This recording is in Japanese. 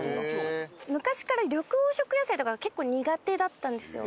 昔から緑黄色野菜とかが結構苦手だったんですよ。